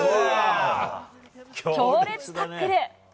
強烈タックル。